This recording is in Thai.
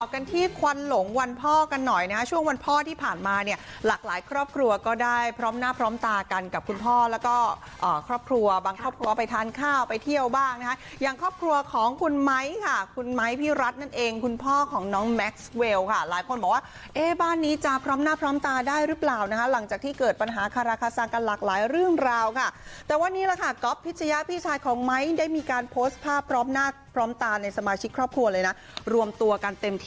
กันที่ควันหลงวันพอกันหน่อยนะช่วงวันพอที่ผ่านมาเนี่ยหลากหลายครอบครัวก็ได้พร้อมหน้าพร้อมตากันกับคุณพ่อแล้วก็ครอบครัวบางครอบครัวไปทานข้าวไปเที่ยวบ้างนะฮะอย่างครอบครัวของคุณไหม้ค่ะคุณไหม้พี่รัฐนั่นเองคุณพ่อของน้องแม็กซ์เวลค่ะหลายคนบอกว่าเอ๊ะบ้านนี้จะพร้อมหน้าพร้อมตาได้หรือเปล่